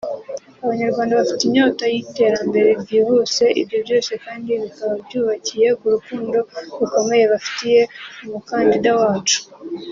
Abanyarwanda bafite inyota y’iterambere ryihuse ibyo byose kandi bikaba byubakiye ku rukundo rukomeye bafitiye umukandida wacu